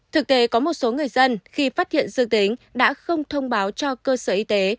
thực tế có một số người dân khi phát hiện dương tính đã không thông báo cho cơ sở y tế